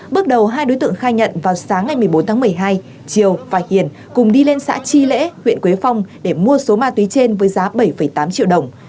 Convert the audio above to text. bước đầu hai đối tượng khai nhận vào sáng ngày một mươi bốn tháng một mươi hai triều và hiền cùng đi lên xã chi lễ huyện quế phong để mua số ma túy trên với giá bảy tám triệu đồng